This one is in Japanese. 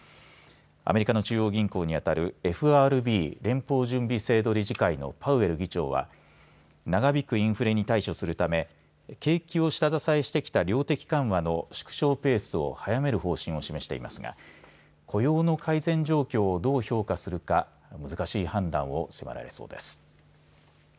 アメリカの中央銀行にあたるＦＲＢ、連邦準備制度理事会のパウエル議長は長引くインフレに対処するため景気を下支えしてきた量的緩和の縮小ペースを速める方針を示していますが雇用の改善状況をどう評価するか難しい判断を迫られそうです。